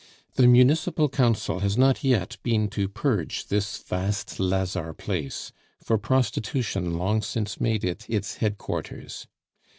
The municipal council has not yet been to purge this vast lazar place, for prostitution long since made it its headquarters.